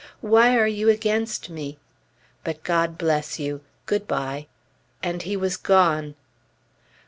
Why are you against me? But God bless you! Good bye!" And he was gone.